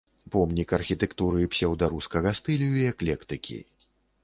Помнік архітэктуры псеўдарускага стылю і эклектыкі.